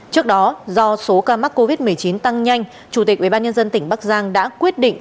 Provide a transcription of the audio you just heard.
trước đó do số ca mắc covid một mươi chín tăng nhanh chủ tịch ubnd tỉnh bắc giang đã quyết định